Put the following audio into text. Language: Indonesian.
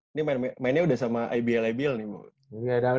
ini mainnya udah sama ibl ibl nih mbak